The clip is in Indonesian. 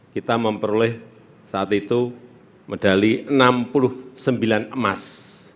kita memperoleh saat itu medali enam puluh sembilan emas